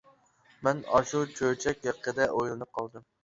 مەن ئاشۇ چۆچەك ھەققىدە ئويلىنىپ قالدىم.